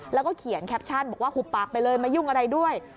แล้วก็เขียนแคปชั่นบอกว่าหุบปากไปเลยมายุ่งอะไรด้วย